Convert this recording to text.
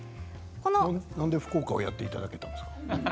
なんで福岡をやっていただけたんですか？